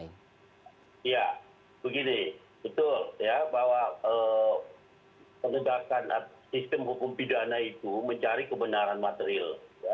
ya begini betul ya bahwa penegakan sistem hukum pidana itu mencari kebenaran material